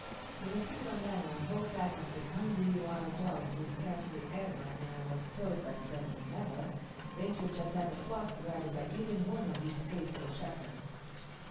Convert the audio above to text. In a similar manner a whole pack of the hungry wild dogs will scarcely ever (and I was told by some never) venture to attack a flock guarded by even one of these faithful shepherds.